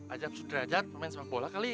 ajab sudrajat pemain sepak bola kali